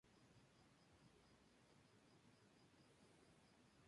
Desde entonces en adelante, escalar montañas como deporte se puso de moda.